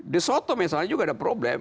di soto misalnya juga ada problem